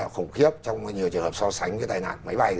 khủng khiếp trong nhiều trường hợp so sánh với tai nạn máy bay